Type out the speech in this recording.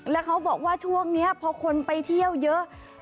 แล้วเขาบอกว่าช่วงนี้พอคนไปเที่ยวเยอะ